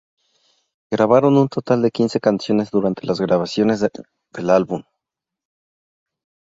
Grabaron un total de quince canciones durante las grabaciones del álbum.